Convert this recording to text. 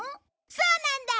そうなんだ！